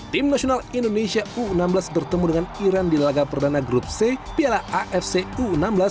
tim nasional indonesia u enam belas bertemu dengan iran di laga perdana grup c piala afc u enam belas